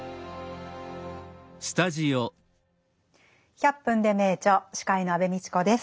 「１００分ｄｅ名著」司会の安部みちこです。